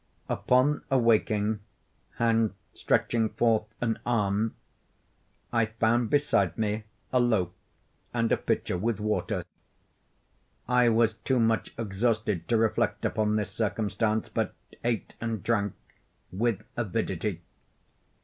Upon awaking, and stretching forth an arm, I found beside me a loaf and a pitcher with water. I was too much exhausted to reflect upon this circumstance, but ate and drank with avidity.